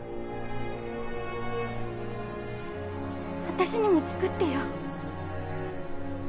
私にも作ってよ。